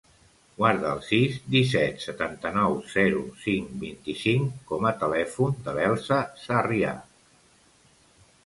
Guarda el sis, disset, setanta-nou, zero, cinc, vint-i-cinc com a telèfon de l'Elsa Sarria.